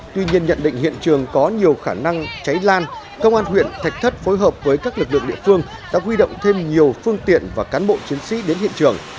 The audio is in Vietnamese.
tuy nhiên nhận định hiện trường có nhiều khả năng cháy lan công an huyện thạch thất phối hợp với các lực lượng địa phương đã huy động thêm nhiều phương tiện và cán bộ chiến sĩ đến hiện trường